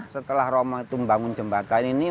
setelah romo itu membangun jembatan ini